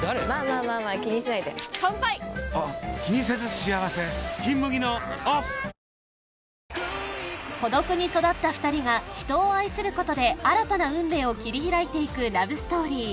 あ孤独に育った二人が人を愛することで新たな運命を切り開いていくラブストーリー